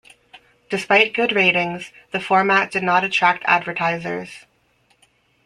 Despite good ratings, the format did not attract advertisers.